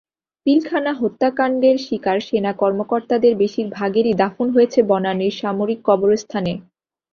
পিলখানা হত্যাকাণ্ডের শিকার সেনা কর্মকর্তাদের বেশির ভাগেরই দাফন হয়েছে বনানীর সামরিক কবরস্থানে।